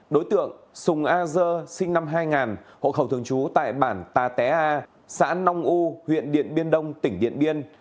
đối tượng sùng a dơ sinh năm hai nghìn hộ khẩu thường trú tại bản tà té a xã nông u huyện điện biên đông tỉnh điện biên